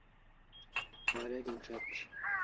Wareg'in ch'etr